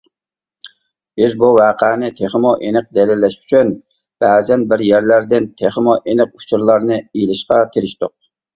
بىز بۇ ۋەقەنى تېخىمۇ ئېنىق دەلىللەش ئۈچۈن بەزەن بىر يەرلەردىن تېخىمۇ ئېنىق ئۇچۇرلارنى ئېلىشقا تىرىشتۇق.